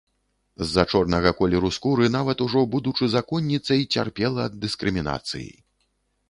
З-за чорнага колеру скуры, нават ужо будучы законніцай, цярпела ад дыскрымінацыі.